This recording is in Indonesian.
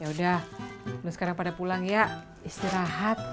ya udah lu sekarang pada pulang ya istirahat